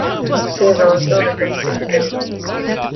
He has also written three plays.